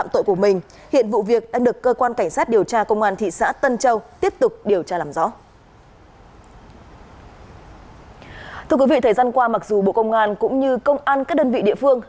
thưa quý vị thời gian qua mặc dù bộ công an cũng như công an các đơn vị địa phương